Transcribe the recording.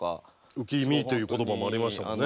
浮き身という言葉もありましたもんね。